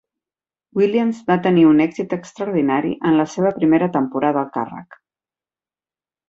Williams va tenir un èxit extraordinari en la seva primera temporada al càrrec.